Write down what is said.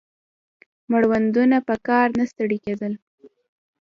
مړوندونه په کار نه ستړي کېدل